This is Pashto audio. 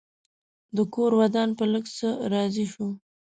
ده کور ودان په لږ څه راضي شو.